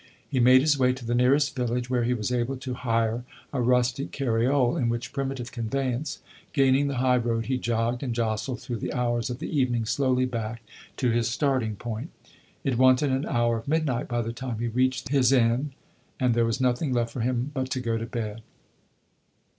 He made his way to the nearest village, where he was able to hire a rustic carriole, in which primitive conveyance, gaining the high road, he jogged and jostled through the hours of the evening slowly back to his starting point. It wanted an hour of midnight by the time he reached his inn, and there was nothing left for him but to go to bed.